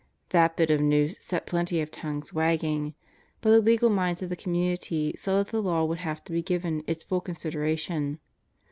That bit of news set plenty of tongues wagging. But the legal minds of the community saw that the law would have to be given its full consideration.